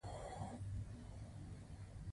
د غنمو حاصلات په خروارونو موجود وي